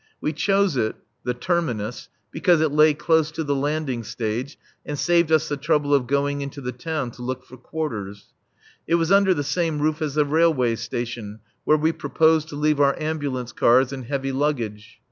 We chose it (the "Terminus") because it lay close to the landing stage and saved us the trouble of going into the town to look for quarters. It was under the same roof as the railway station, where we proposed to leave our ambulance cars and heavy luggage.